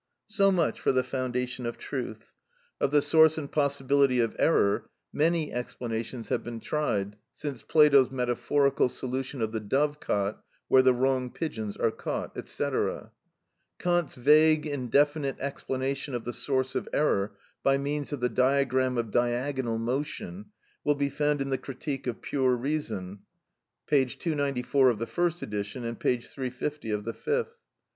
So much for the foundation of truth. Of the source and possibility of error many explanations have been tried since Plato's metaphorical solution of the dove cot where the wrong pigeons are caught, &c. (Theætetus, p. 167, et seq.) Kant's vague, indefinite explanation of the source of error by means of the diagram of diagonal motion, will be found in the "Critique of Pure Reason," p. 294 of the first edition, and p. 350 of the fifth.